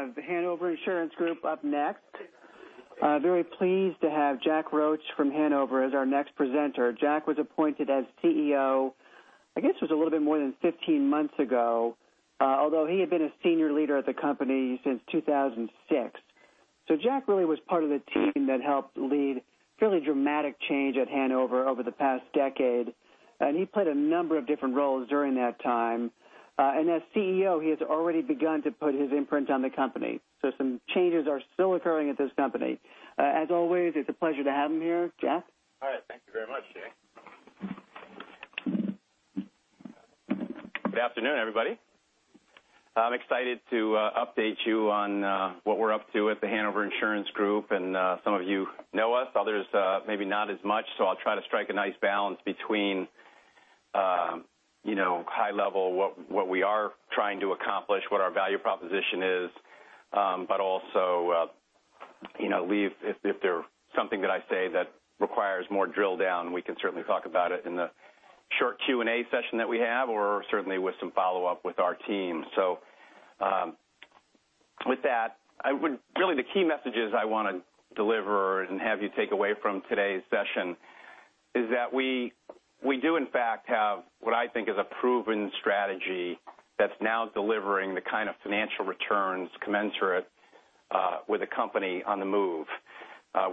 We have The Hanover Insurance Group up next. Very pleased to have Jack Roche from The Hanover as our next presenter. Jack was appointed as CEO, I guess it was a little bit more than 15 months ago, although he had been a senior leader at the company since 2006. Jack really was part of the team that helped lead fairly dramatic change at The Hanover over the past decade, and he played a number of different roles during that time. As CEO, he has already begun to put his imprint on the company. Some changes are still occurring at this company. As always, it's a pleasure to have him here. Jack? All right. Thank you very much, Jay. Good afternoon, everybody. I'm excited to update you on what we're up to at The Hanover Insurance Group, and some of you know us, others maybe not as much. I'll try to strike a nice balance between high level, what we are trying to accomplish, what our value proposition is, but also leave, if there something that I say that requires more drill down, we can certainly talk about it in the short Q&A session that we have or certainly with some follow-up with our team. With that, really the key messages I want to deliver and have you take away from today's session is that we do in fact have what I think is a proven strategy that's now delivering the kind of financial returns commensurate with a company on the move.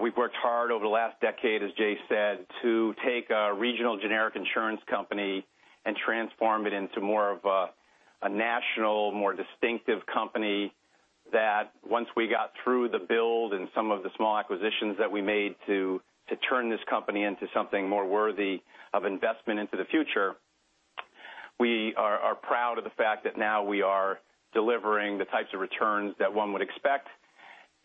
We've worked hard over the last decade, as Jay said, to take a regional generic insurance company and transform it into more of a national, more distinctive company that once we got through the build and some of the small acquisitions that we made to turn this company into something more worthy of investment into the future. We are proud of the fact that now we are delivering the types of returns that one would expect,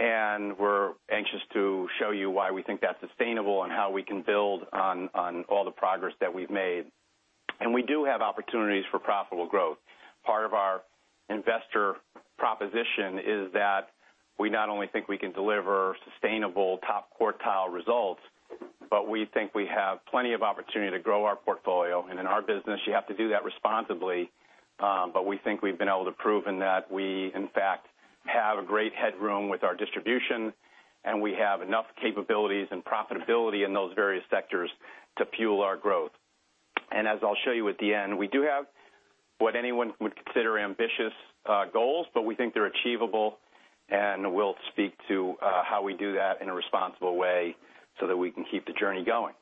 and we're anxious to show you why we think that's sustainable and how we can build on all the progress that we've made. We do have opportunities for profitable growth. Part of our investor proposition is that we not only think we can deliver sustainable top quartile results, but we think we have plenty of opportunity to grow our portfolio. In our business, you have to do that responsibly. We think we've been able to prove in that we, in fact, have a great headroom with our distribution, and we have enough capabilities and profitability in those various sectors to fuel our growth. As I'll show you at the end, we do have what anyone would consider ambitious goals, but we think they're achievable, and we'll speak to how we do that in a responsible way so that we can keep the journey going.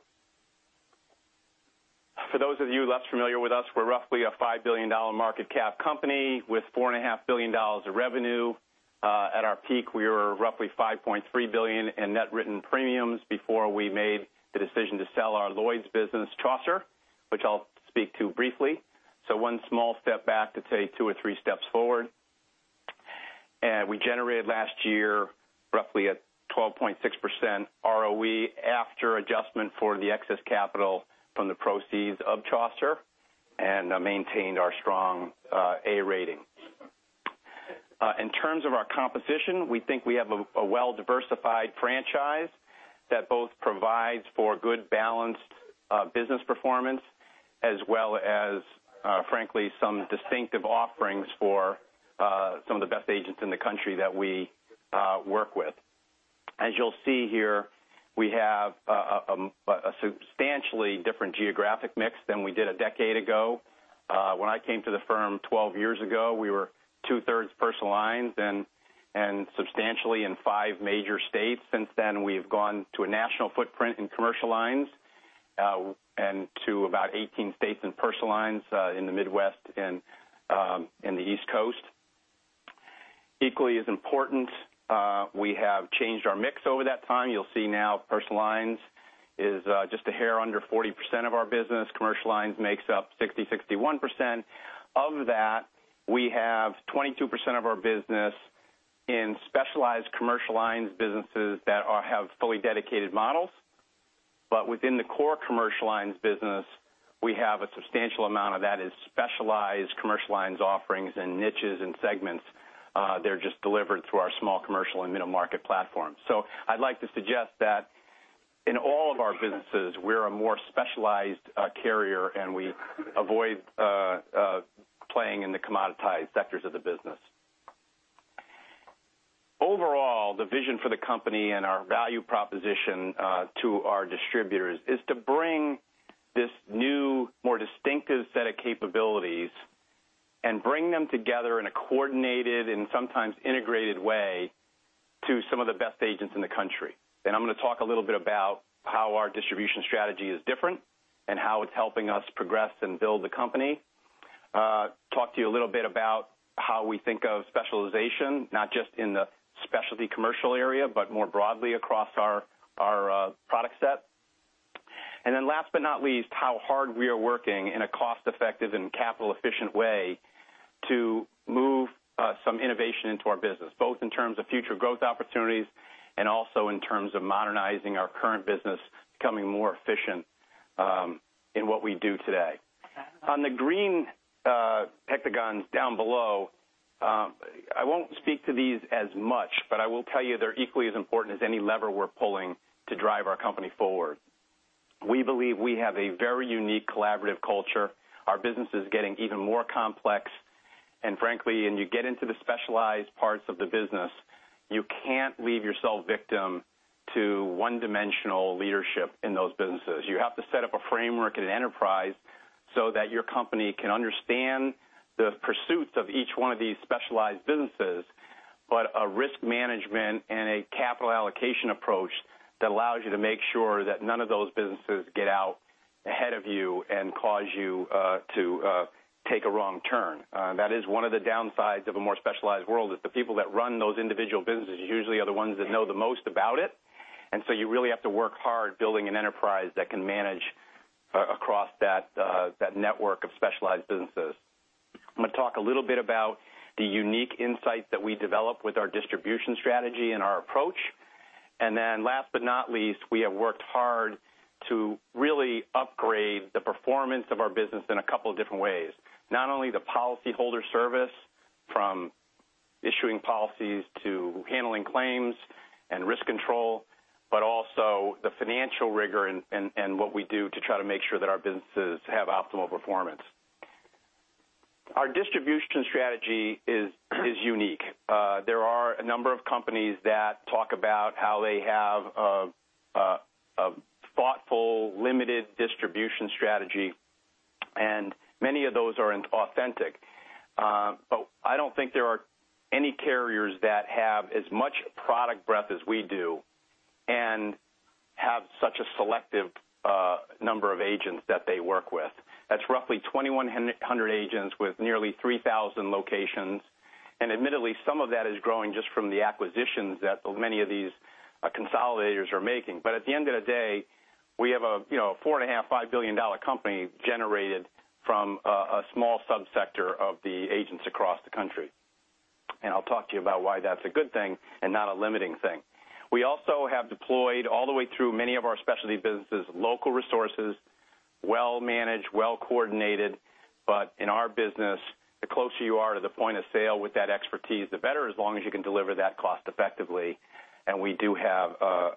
For those of you less familiar with us, we're roughly a $5 billion market cap company with $4.5 billion of revenue. At our peak, we were roughly $5.3 billion in net written premiums before we made the decision to sell our Lloyd's business, Chaucer, which I'll speak to briefly. One small step back to take two or three steps forward. We generated last year roughly a 12.6% ROE after adjustment for the excess capital from the proceeds of Chaucer, and maintained our strong A rating. In terms of our competition, we think we have a well-diversified franchise that both provides for good balanced business performance as well as, frankly, some distinctive offerings for some of the best agents in the country that we work with. As you'll see here, we have a substantially different geographic mix than we did a decade ago. When I came to the firm 12 years ago, we were two-thirds personal lines and substantially in five major states. Since then, we've gone to a national footprint in commercial lines, and to about 18 states in personal lines in the Midwest and the East Coast. Equally as important, we have changed our mix over that time. You'll see now personal lines is just a hair under 40% of our business. Commercial lines makes up 60%-61%. Of that, we have 22% of our business in specialized commercial lines businesses that have fully dedicated models. Within the core commercial lines business, we have a substantial amount of that is specialized commercial lines offerings and niches and segments. They're just delivered through our small commercial and middle market platform. I'd like to suggest that in all of our businesses, we're a more specialized carrier, and we avoid playing in the commoditized sectors of the business. Overall, the vision for the company and our value proposition to our distributors is to bring this new, more distinctive set of capabilities and bring them together in a coordinated and sometimes integrated way to some of the best agents in the country. I'm going to talk a little bit about how our distribution strategy is different and how it's helping us progress and build the company. Talk to you a little bit about how we think of specialization, not just in the specialty commercial area, but more broadly across our product set. Last but not least, how hard we are working in a cost-effective and capital-efficient way to move some innovation into our business, both in terms of future growth opportunities and also in terms of modernizing our current business, becoming more efficient in what we do today. On the green hexagons down below, I won't speak to these as much, but I will tell you they're equally as important as any lever we're pulling to drive our company forward. We believe we have a very unique collaborative culture. Our business is getting even more complex, and frankly, when you get into the specialized parts of the business, you can't leave yourself victim to one-dimensional leadership in those businesses. You have to set up a framework and an enterprise so that your company can understand the pursuits of each one of these specialized businesses, but a risk management and a capital allocation approach that allows you to make sure that none of those businesses get out ahead of you and cause you to take a wrong turn. That is one of the downsides of a more specialized world, is the people that run those individual businesses usually are the ones that know the most about it. You really have to work hard building an enterprise that can manage across that network of specialized businesses. I'm going to talk a little bit about the unique insight that we developed with our distribution strategy and our approach. Last but not least, we have worked hard to really upgrade the performance of our business in a couple of different ways. Not only the policyholder service, from issuing policies to handling claims and risk control, but also the financial rigor in what we do to try to make sure that our businesses have optimal performance. Our distribution strategy is unique. There are a number of companies that talk about how they have a thoughtful, limited distribution strategy, and many of those aren't authentic. I don't think there are any carriers that have as much product breadth as we do and have such a selective number of agents that they work with. That's roughly 2,100 agents with nearly 3,000 locations. Admittedly, some of that is growing just from the acquisitions that many of these consolidators are making. At the end of the day, we have a $4.5 billion-$5 billion company generated from a small subsector of the agents across the country. I'll talk to you about why that's a good thing and not a limiting thing. We also have deployed all the way through many of our specialty businesses, local resources, well managed, well coordinated, but in our business, the closer you are to the point of sale with that expertise, the better, as long as you can deliver that cost effectively. We do have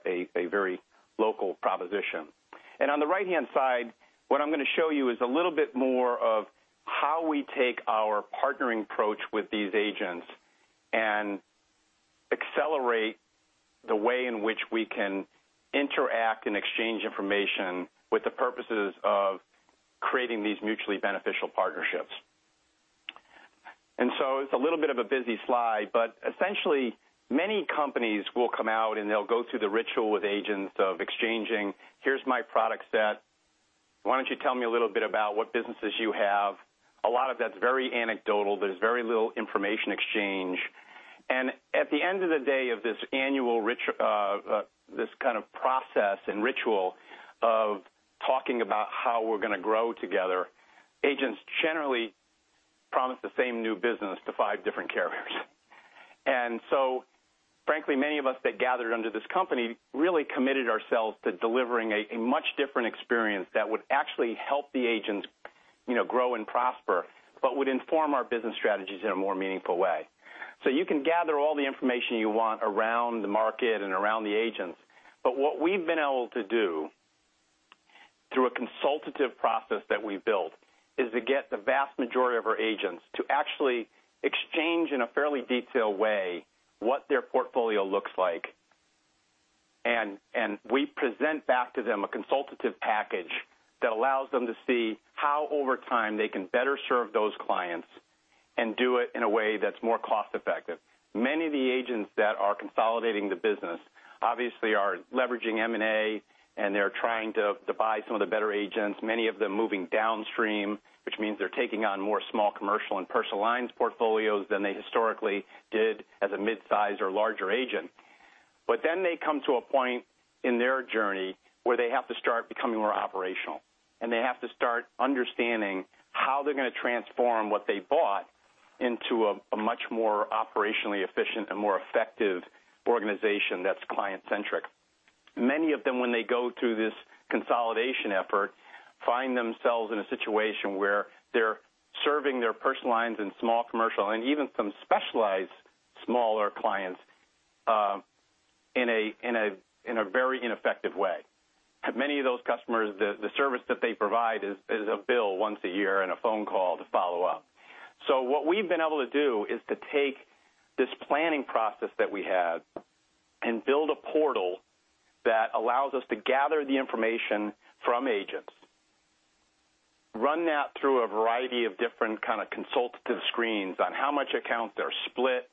a very local proposition. On the right-hand side, what I'm going to show you is a little bit more of how we take our partnering approach with these agents and accelerate the way in which we can interact and exchange information with the purposes of creating these mutually beneficial partnerships. It's a little bit of a busy slide, but essentially many companies will come out and they'll go through the ritual with agents of exchanging, "Here's my product set. Why don't you tell me a little bit about what businesses you have?" A lot of that's very anecdotal. There's very little information exchange. At the end of the day of this kind of process and ritual of talking about how we're going to grow together, agents generally promise the same new business to five different carriers. Frankly, many of us that gathered under this company really committed ourselves to delivering a much different experience that would actually help the agents grow and prosper, but would inform our business strategies in a more meaningful way. You can gather all the information you want around the market and around the agents, but what we've been able to do through a consultative process that we built is to get the vast majority of our agents to actually exchange in a fairly detailed way what their portfolio looks like. We present back to them a consultative package that allows them to see how over time they can better serve those clients and do it in a way that's more cost-effective. Many of the agents that are consolidating the business obviously are leveraging M&A, and they're trying to buy some of the better agents, many of them moving downstream, which means they're taking on more small commercial and personal lines portfolios than they historically did as a mid-size or larger agent. They come to a point in their journey where they have to start becoming more operational, and they have to start understanding how they're going to transform what they bought into a much more operationally efficient and more effective organization that's client-centric. Many of them, when they go through this consolidation effort, find themselves in a situation where they're serving their personal lines in small, commercial, and even some specialized smaller clients in a very ineffective way. Many of those customers, the service that they provide is a bill once a year and a phone call to follow up. What we've been able to do is to take this planning process that we have and build a portal that allows us to gather the information from agents, run that through a variety of different kind of consultative screens on how much accounts are split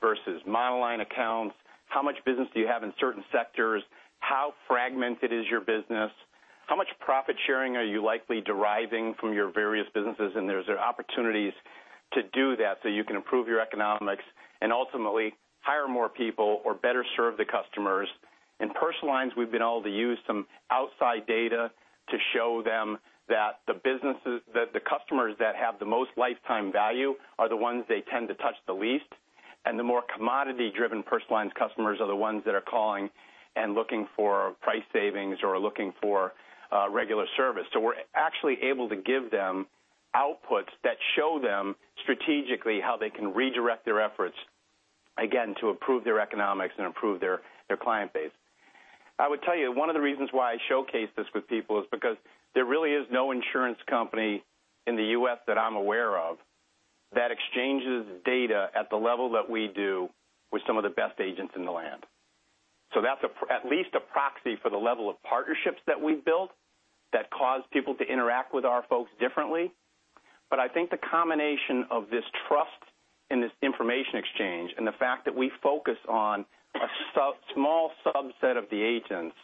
versus monoline accounts, how much business do you have in certain sectors, how fragmented is your business, how much profit-sharing are you likely deriving from your various businesses, there's opportunities to do that so you can improve your economics and ultimately hire more people or better serve the customers. In personal lines, we've been able to use some outside data to show them that the customers that have the most lifetime value are the ones they tend to touch the least. The more commodity-driven personal lines customers are the ones that are calling and looking for price savings or looking for regular service. We're actually able to give them outputs that show them strategically how they can redirect their efforts. Again, to improve their economics and improve their client base. I would tell you, one of the reasons why I showcase this with people is because there really is no insurance company in the U.S. that I'm aware of that exchanges data at the level that we do with some of the best agents in the land. That's at least a proxy for the level of partnerships that we've built that cause people to interact with our folks differently. I think the combination of this trust and this information exchange, and the fact that we focus on a small subset of the agents,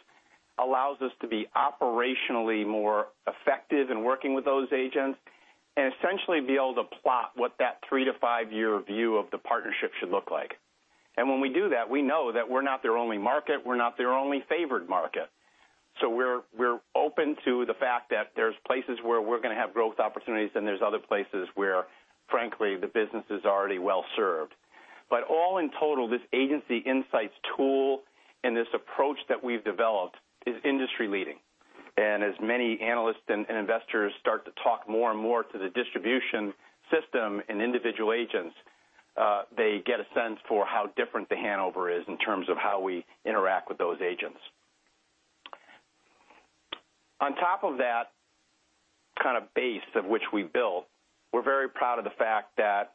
allows us to be operationally more effective in working with those agents, and essentially be able to plot what that three to five-year view of the partnership should look like. When we do that, we know that we're not their only market, we're not their only favored market. We're open to the fact that there's places where we're going to have growth opportunities, and there's other places where, frankly, the business is already well-served. All in total, this Agency Insight Tool and this approach that we've developed is industry-leading. As many analysts and investors start to talk more and more to the distribution system and individual agents, they get a sense for how different The Hanover is in terms of how we interact with those agents. On top of that base of which we built, we're very proud of the fact that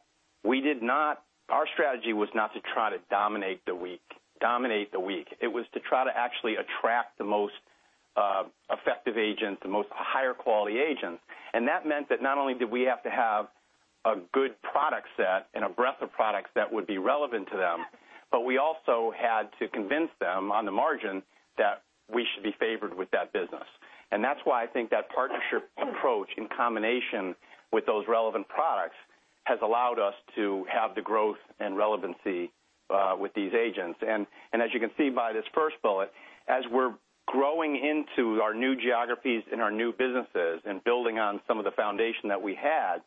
our strategy was not to try to dominate the weak. It was to try to actually attract the most effective agents, the most higher quality agents. That meant that not only did we have to have a good product set and a breadth of products that would be relevant to them, but we also had to convince them on the margin that we should be favored with that business. That's why I think that partnership approach, in combination with those relevant products, has allowed us to have the growth and relevancy with these agents. As you can see by this first bullet, as we're growing into our new geographies and our new businesses and building on some of the foundation that we had,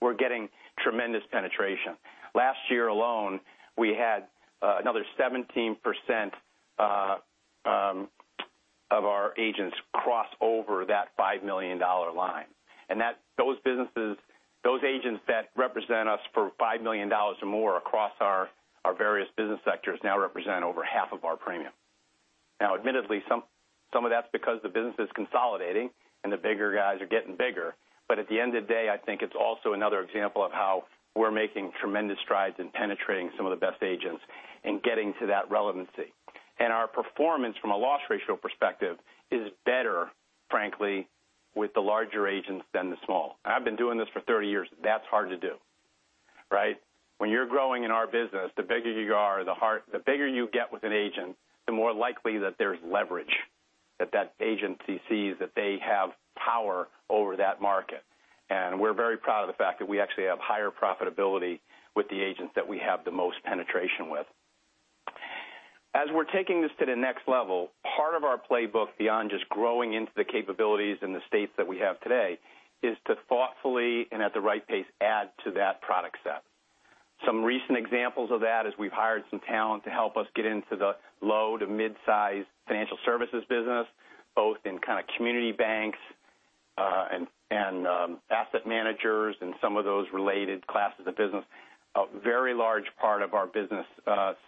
we're getting tremendous penetration. Last year alone, we had another 17% of our agents cross over that $5 million line. Those agents that represent us for $5 million or more across our various business sectors now represent over half of our premium. Admittedly, some of that's because the business is consolidating and the bigger guys are getting bigger. At the end of the day, I think it's also another example of how we're making tremendous strides in penetrating some of the best agents and getting to that relevancy. Our performance from a loss ratio perspective is better, frankly, with the larger agents than the small. I've been doing this for 30 years. That's hard to do. When you're growing in our business, the bigger you get with an agent, the more likely that there's leverage that that agency sees that they have power over that market. We're very proud of the fact that we actually have higher profitability with the agents that we have the most penetration with. As we're taking this to the next level, part of our playbook, beyond just growing into the capabilities in the states that we have today, is to thoughtfully, and at the right pace, add to that product set. Some recent examples of that is we've hired some talent to help us get into the low to mid-size financial services business, both in community banks and asset managers and some of those related classes of business. A very large part of our business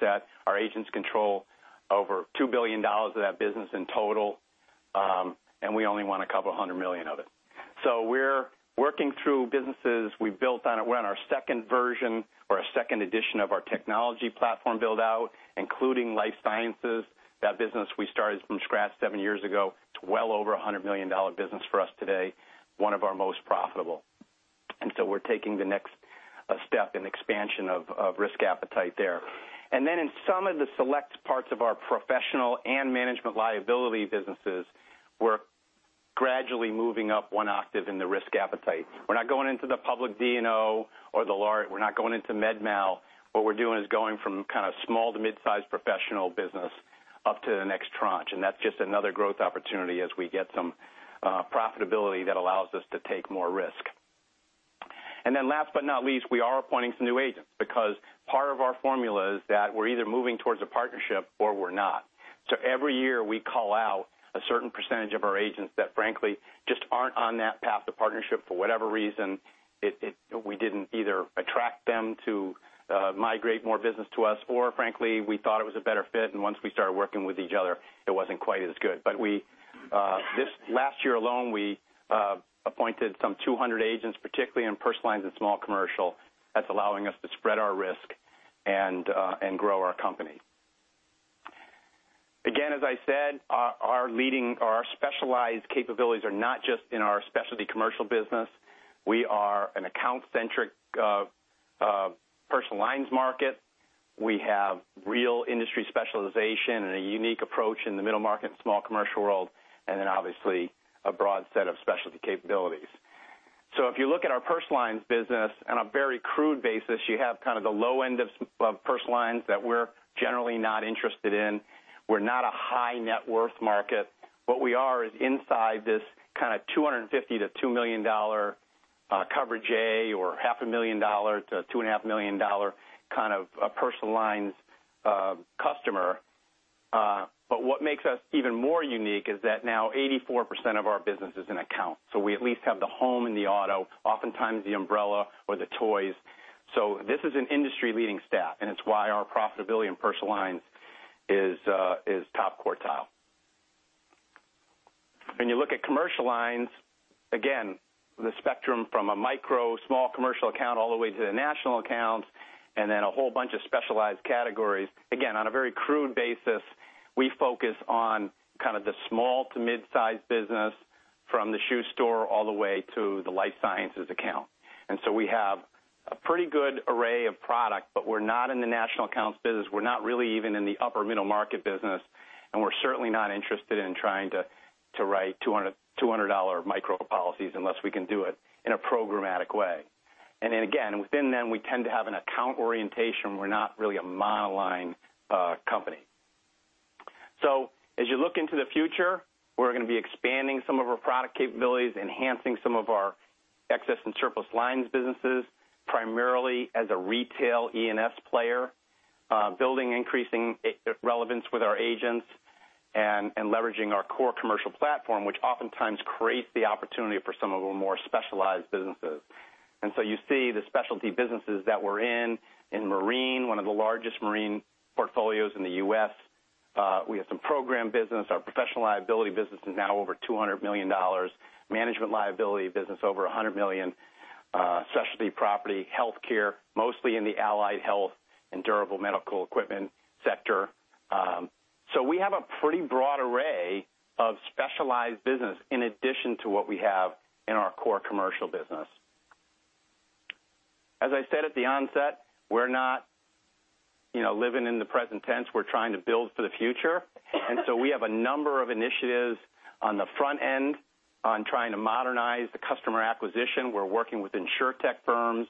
set. Our agents control over $2 billion of that business in total, we only want a couple of hundred million of it. We're working through businesses we've built on. We're on our second version or our second edition of our technology platform build-out, including life sciences. That business we started from scratch seven years ago. It's well over $100 million business for us today, one of our most profitable. We're taking the next step in expansion of risk appetite there. Then in some of the select parts of our professional and management liability businesses, we're gradually moving up one octave in the risk appetite. We're not going into the public D&O or we're not going into med-mal. What we're doing is going from small to mid-size professional business up to the next tranche, and that's just another growth opportunity as we get some profitability that allows us to take more risk. Last but not least, we are appointing some new agents because part of our formula is that we're either moving towards a partnership or we're not. Every year, we call out a certain percentage of our agents that frankly just aren't on that path to partnership for whatever reason. We didn't either attract them to migrate more business to us, or frankly, we thought it was a better fit, and once we started working with each other, it wasn't quite as good. Last year alone, we appointed some 200 agents, particularly in personal lines and small commercial, that's allowing us to spread our risk and grow our company. As I said, our specialized capabilities are not just in our specialty commercial business. We are an account-centric personal lines market. We have real industry specialization and a unique approach in the middle market and small commercial world, obviously a broad set of specialty capabilities. If you look at our personal lines business on a very crude basis, you have kind of the low end of personal lines that we're generally not interested in. We're not a high net worth market. What we are is inside this kind of $250 to $2 million coverage A or half a million dollars to $2.5 million personal lines customer. What makes us even more unique is that now 84% of our business is in account. We at least have the home and the auto, oftentimes the umbrella or the toys. This is an industry-leading stat, and it's why our profitability in personal lines is top quartile. When you look at commercial lines, the spectrum from a micro small commercial account all the way to the national accounts, a whole bunch of specialized categories. On a very crude basis, we focus on kind of the small to mid-size business from the shoe store all the way to the life sciences account. We have a pretty good array of product, but we're not in the national accounts business. We're not really even in the upper middle market business, and we're certainly not interested in trying to write $200 micro policies unless we can do it in a programmatic way. Again, within them, we tend to have an account orientation. We're not really a monoline company. As you look into the future, we're going to be expanding some of our product capabilities, enhancing some of our excess and surplus lines businesses, primarily as a retail E&S player, building increasing relevance with our agents, and leveraging our core commercial platform, which oftentimes creates the opportunity for some of the more specialized businesses. You see the specialty businesses that we're in marine, one of the largest marine portfolios in the U.S. We have some program business. Our professional liability business is now over $200 million. Management liability business over $100 million. Specialty property, healthcare, mostly in the allied health and durable medical equipment sector. We have a pretty broad array of specialized business in addition to what we have in our core commercial business. As I said at the onset, we're not living in the present tense. We're trying to build for the future. We have a number of initiatives on the front end on trying to modernize the customer acquisition. We're working with insurtech firms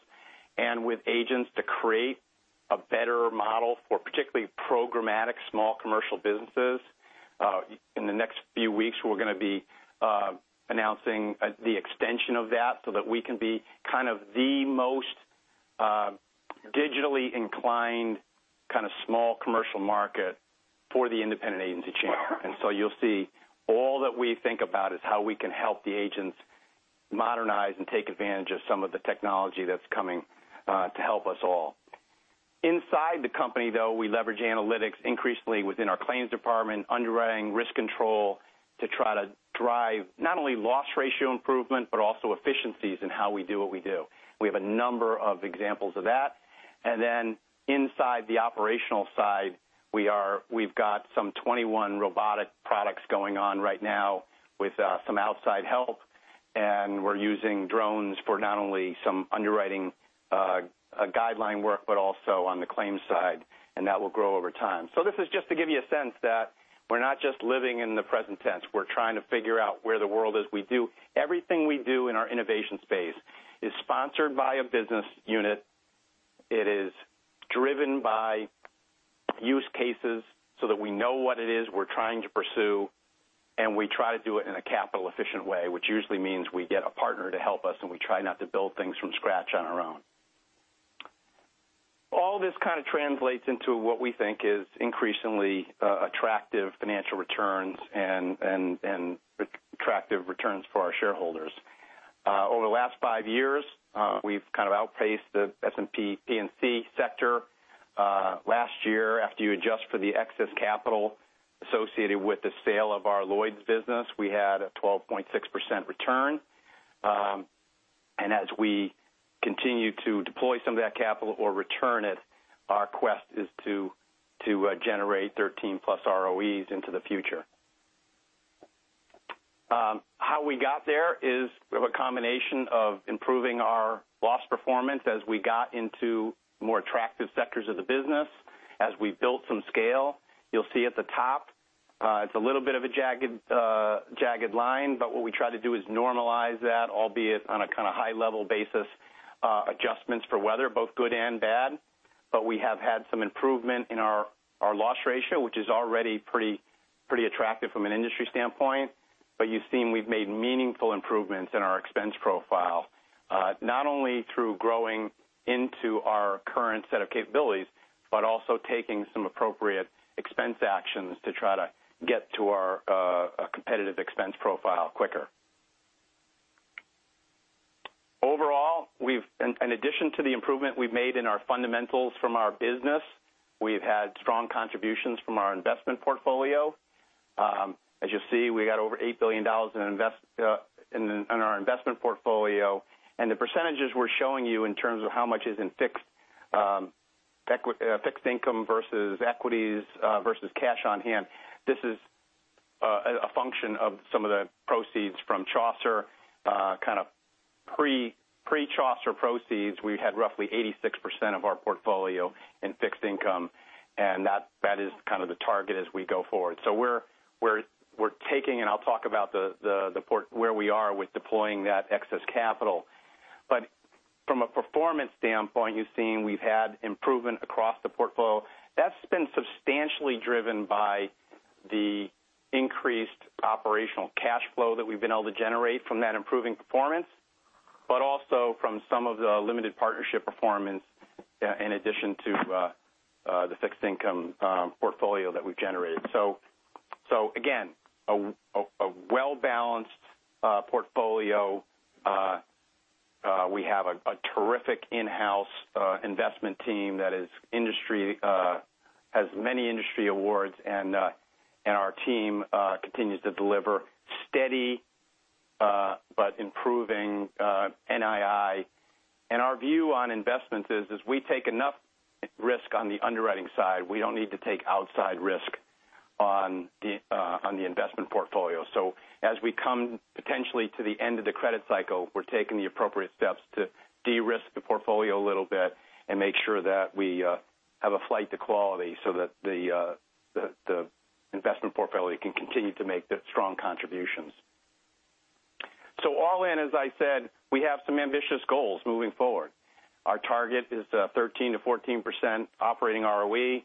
and with agents to create a better model for particularly programmatic small commercial businesses. In the next few weeks, we're going to be announcing the extension of that so that we can be kind of the most digitally inclined, kind of small commercial market for the independent agency channel. You'll see all that we think about is how we can help the agents modernize and take advantage of some of the technology that's coming to help us all. Inside the company, though, we leverage analytics increasingly within our claims department, underwriting risk control to try to drive not only loss ratio improvement, but also efficiencies in how we do what we do. We have a number of examples of that. Inside the operational side, we've got some 21 robotic products going on right now with some outside help, and we're using drones for not only some underwriting guideline work, but also on the claims side, and that will grow over time. This is just to give you a sense that we're not just living in the present tense. We're trying to figure out where the world is. Everything we do in our innovation space is sponsored by a business unit. It is driven by use cases so that we know what it is we're trying to pursue, and we try to do it in a capital efficient way, which usually means we get a partner to help us, and we try not to build things from scratch on our own. All this kind of translates into what we think is increasingly attractive financial returns and attractive returns for our shareholders. Over the last five years, we've kind of outpaced the S&P P&C sector. Last year, after you adjust for the excess capital associated with the sale of our Lloyd's business, we had a 12.6% return. As we continue to deploy some of that capital or return it, our quest is to generate 13-plus ROEs into the future. How we got there is we have a combination of improving our loss performance as we got into more attractive sectors of the business. As we built some scale, you'll see at the top, it's a little bit of a jagged line, but what we try to do is normalize that, albeit on a kind of high-level basis, adjustments for weather, both good and bad. We have had some improvement in our loss ratio, which is already pretty attractive from an industry standpoint. You've seen we've made meaningful improvements in our expense profile, not only through growing into our current set of capabilities, but also taking some appropriate expense actions to try to get to our competitive expense profile quicker. Overall, in addition to the improvement we've made in our fundamentals from our business, we've had strong contributions from our investment portfolio. You'll see, we got over $8 billion in our investment portfolio, and the percentages we're showing you in terms of how much is in fixed income versus equities versus cash on hand. This is a function of some of the proceeds from Chaucer. Kind of pre-Chaucer proceeds, we had roughly 86% of our portfolio in fixed income, and that is kind of the target as we go forward. We're taking, and I'll talk about where we are with deploying that excess capital. From a performance standpoint, you've seen we've had improvement across the portfolio. That's been substantially driven by the increased operational cash flow that we've been able to generate from that improving performance. Also from some of the limited partnership performance in addition to the fixed income portfolio that we've generated. Again, a well-balanced portfolio. We have a terrific in-house investment team that has many industry awards, and our team continues to deliver steady but improving NII. Our view on investments is, as we take enough risk on the underwriting side, we don't need to take outside risk on the investment portfolio. As we come potentially to the end of the credit cycle, we're taking the appropriate steps to de-risk the portfolio a little bit and make sure that we have a flight to quality so that the investment portfolio can continue to make the strong contributions. All in, as I said, we have some ambitious goals moving forward. Our target is 13%-14% operating ROE.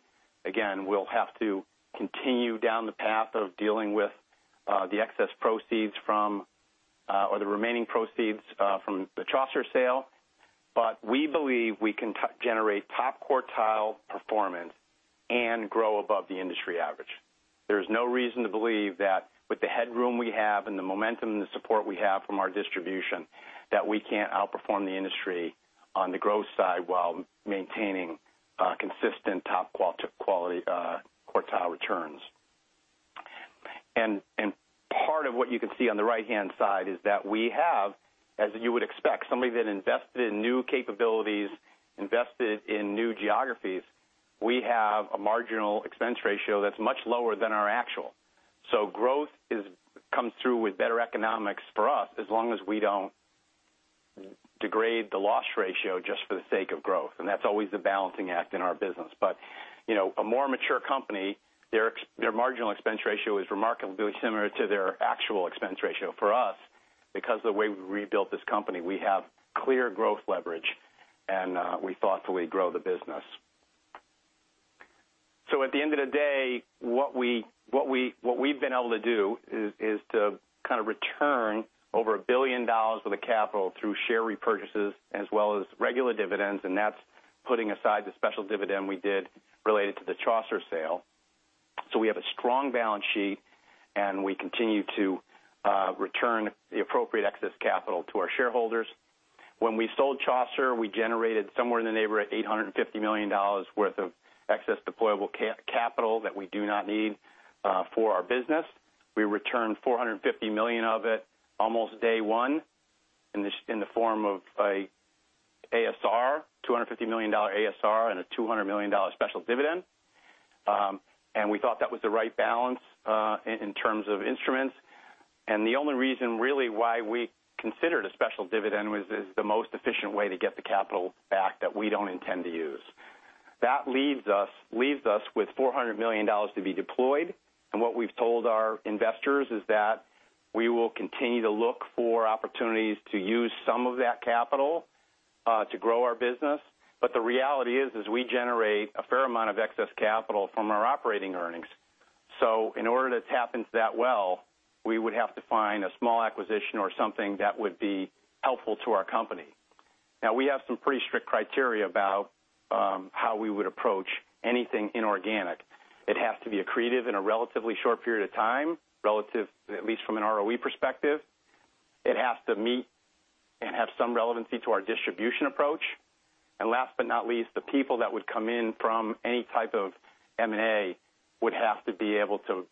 Again, we'll have to continue down the path of dealing with the excess proceeds from, or the remaining proceeds from the Chaucer sale. We believe we can generate top quartile performance and grow above the industry average. There is no reason to believe that with the headroom we have and the momentum and the support we have from our distribution, that we can't outperform the industry on the growth side while maintaining consistent top quartile returns. Part of what you can see on the right-hand side is that we have, as you would expect, somebody that invested in new capabilities, invested in new geographies. We have a marginal expense ratio that's much lower than our actual. Growth comes through with better economics for us, as long as we don't degrade the loss ratio just for the sake of growth. That's always the balancing act in our business. A more mature company, their marginal expense ratio is remarkably similar to their actual expense ratio. For us, because of the way we rebuilt this company, we have clear growth leverage, and we thoughtfully grow the business. At the end of the day, what we've been able to do is to return over $1 billion of the capital through share repurchases as well as regular dividends, and that's putting aside the special dividend we did related to the Chaucer sale. We have a strong balance sheet, and we continue to return the appropriate excess capital to our shareholders. When we sold Chaucer, we generated somewhere in the neighborhood of $850 million worth of excess deployable capital that we do not need for our business. We returned $450 million of it almost day one in the form of a $250 million ASR, and a $200 million special dividend. We thought that was the right balance in terms of instruments. The only reason really why we considered a special dividend was it's the most efficient way to get the capital back that we don't intend to use. That leaves us with $400 million to be deployed. What we've told our investors is that we will continue to look for opportunities to use some of that capital to grow our business. The reality is, we generate a fair amount of excess capital from our operating earnings. In order to tap into that well, we would have to find a small acquisition or something that would be helpful to our company. We have some pretty strict criteria about how we would approach anything inorganic. It has to be accretive in a relatively short period of time, relative at least from an ROE perspective. It has to meet and have some relevancy to our distribution approach. Last but not least, the people that would come in from any type of M&A would have to be able to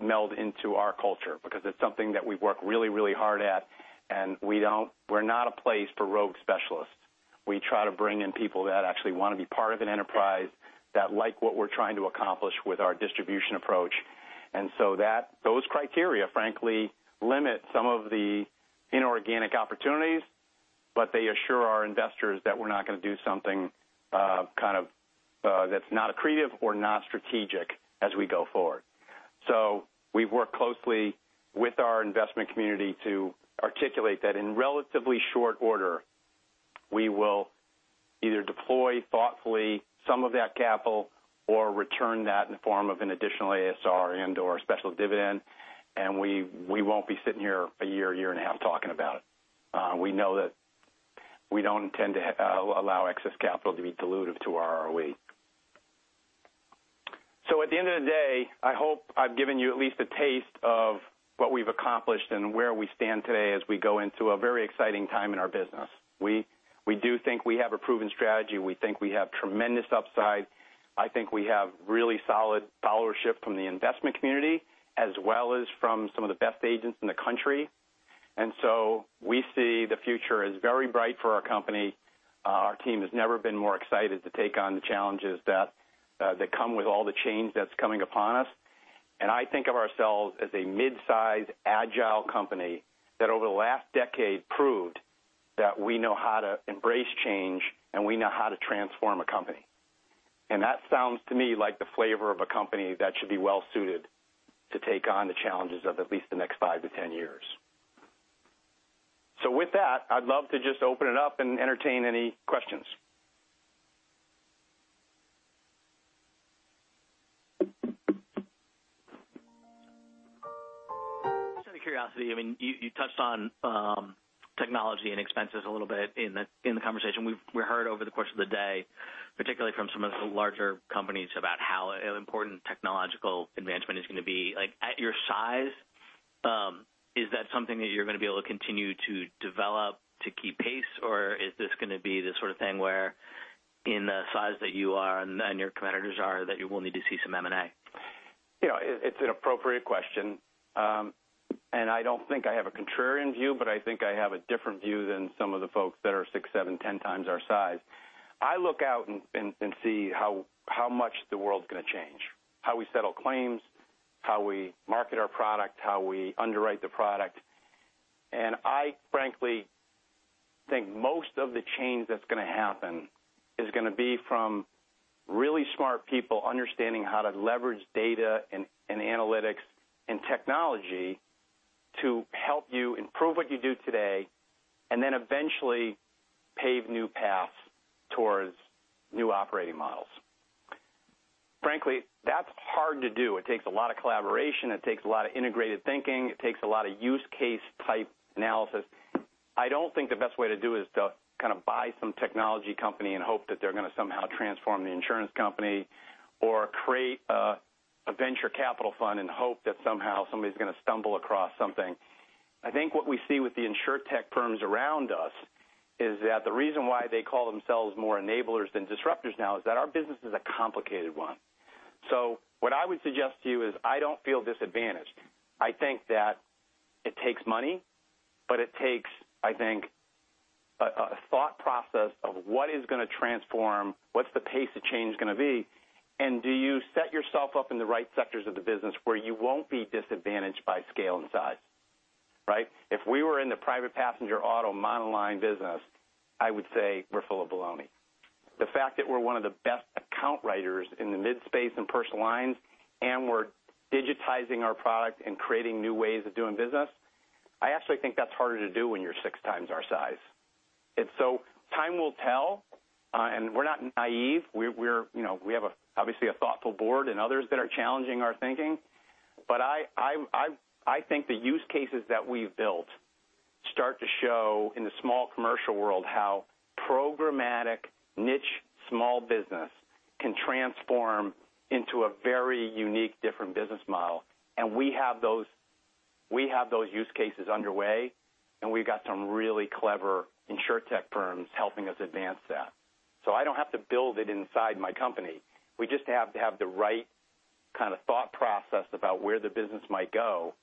meld into our culture because it's something that we've worked really hard at, and we're not a place for rogue specialists. We try to bring in people that actually want to be part of an enterprise that like what we're trying to accomplish with our distribution approach. Those criteria, frankly, limit some of the inorganic opportunities, but they assure our investors that we're not going to do something that's not accretive or not strategic as we go forward. We've worked closely with our investment community to articulate that in relatively short order, we will either deploy thoughtfully some of that capital or return that in the form of an additional ASR and/or special dividend, and we won't be sitting here a year and a half talking about it. We know that we don't intend to allow excess capital to be dilutive to our ROE. At the end of the day, I hope I've given you at least a taste of what we've accomplished and where we stand today as we go into a very exciting time in our business. We do think we have a proven strategy. We think we have tremendous upside. I think we have really solid followership from the investment community, as well as from some of the best agents in the country. We see the future is very bright for our company. Our team has never been more excited to take on the challenges that come with all the change that's coming upon us. I think of ourselves as a mid-size, agile company that over the last decade proved that we know how to embrace change and we know how to transform a company. That sounds to me like the flavor of a company that should be well suited to take on the challenges of at least the next five to 10 years. With that, I'd love to just open it up and entertain any questions. Just out of curiosity, you touched on technology and expenses a little bit in the conversation. We heard over the course of the day, particularly from some of the larger companies, about how important technological advancement is going to be. At your size, is that something that you're going to be able to continue to develop to keep pace? Or is this going to be the sort of thing where, in the size that you are and your competitors are, that you will need to see some M&A? It's an appropriate question. I don't think I have a contrarian view, I think I have a different view than some of the folks that are six, seven, 10 times our size. I look out and see how much the world's going to change, how we settle claims, how we market our product, how we underwrite the product. I frankly think most of the change that's going to happen is going to be from really smart people understanding how to leverage data and analytics and technology to help you improve what you do today, and then eventually pave new paths towards new operating models. Frankly, that's hard to do. It takes a lot of collaboration. It takes a lot of integrated thinking. It takes a lot of use case-type analysis. I don't think the best way to do it is to buy some technology company and hope that they're going to somehow transform the insurance company or create a venture capital fund and hope that somehow, somebody's going to stumble across something. I think what we see with the insurtech firms around us is that the reason why they call themselves more enablers than disruptors now is that our business is a complicated one. What I would suggest to you is, I don't feel disadvantaged. I think that it takes money, it takes a thought process of what is going to transform, what's the pace of change going to be, and do you set yourself up in the right sectors of the business where you won't be disadvantaged by scale and size, right? If we were in the private passenger auto monoline business, I would say we're full of baloney. The fact that we're one of the best account writers in the midspace and personal lines, we're digitizing our product and creating new ways of doing business, I actually think that's harder to do when you're six times our size. Time will tell, we're not naive. We have, obviously, a thoughtful board and others that are challenging our thinking. I think the use cases that we've built start to show in the small commercial world how programmatic niche small business can transform into a very unique, different business model. We have those use cases underway, we've got some really clever insurtech firms helping us advance that. I don't have to build it inside my company. We just have to have the right kind of thought process about where the business might go,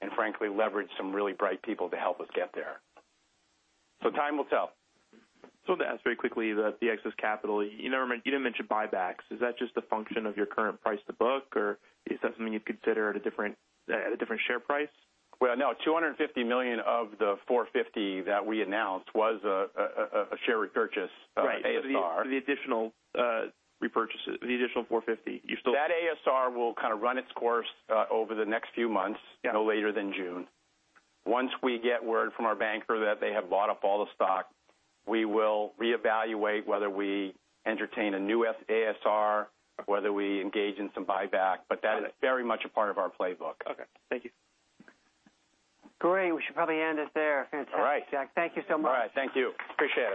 and frankly, leverage some really bright people to help us get there. Time will tell. To ask very quickly, the excess capital. You didn't mention buybacks. Is that just a function of your current price to book, or is that something you'd consider at a different share price? No, $250 million of the $450 that we announced was a share repurchase, ASR. Right. The additional repurchases, the additional $450, you still- That ASR will run its course over the next few months. Yeah No later than June. Once we get word from our banker that they have bought up all the stock, we will reevaluate whether we entertain a new ASR, whether we engage in some buyback. Got it. That is very much a part of our playbook. Okay. Thank you. Great. We should probably end it there. Fantastic. All right. Jack, thank you so much. All right. Thank you. Appreciate it